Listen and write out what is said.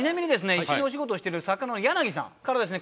一緒にお仕事をしてる作家の柳さんからはですね